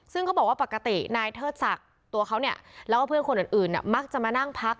ซึ่งเขาบอกว่าปกตินายเทิดศักดิ์ตัวเขาเนี่ยแล้วก็เพื่อนคนอื่นมักจะมานั่งพัก